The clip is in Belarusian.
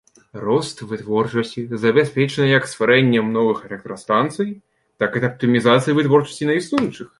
Рост вытворчасці забяспечаны як стварэннем новых электрастанцый, так і аптымізацыяй вытворчасці на існуючых.